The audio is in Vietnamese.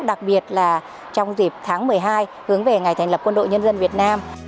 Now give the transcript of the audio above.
đặc biệt là trong dịp tháng một mươi hai hướng về ngày thành lập quân đội nhân dân việt nam